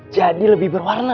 jadi lebih berwarna